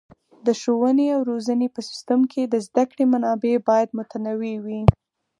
د ښوونې او روزنې په سیستم کې د زده کړې منابع باید متنوع وي.